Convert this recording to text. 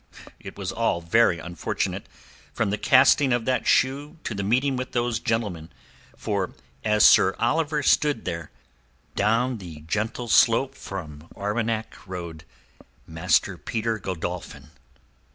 It was all very unfortunate, from the casting of that shoe to the meeting with those gentlemen; for as Sir Oliver stood there, down the gentle slope from Arwenack rode Master Peter Godolphin.